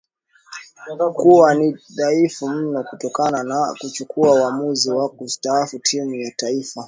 kuwa ni thaifu mno kutokana na kuchukua wamuzi wa kustaafu timu ya taifa